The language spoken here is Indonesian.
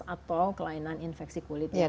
atau kelainan infeksi kulit yang lain